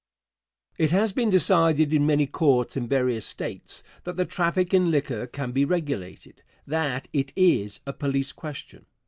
It has been decided in many courts in various States that the traffic in liquor can be regulated that it is a police question.